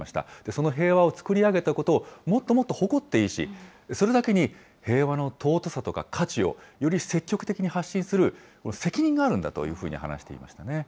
その平和を作り上げたことを、もっともっと誇っていいし、それだけに、平和の尊さとか価値をより積極的に発信する責任があるんだというふうに話していましたね。